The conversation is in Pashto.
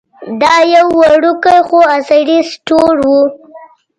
دا یو وړوکی خو عصري سټور و.